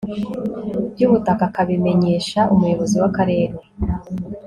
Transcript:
by ubutaka akabimenyesha umuyobozi w akarere